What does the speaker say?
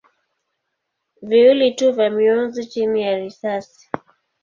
viwili tu vya mionzi chini ya risasi.